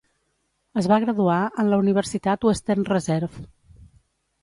Es va graduar en la Universitat Western Reserve.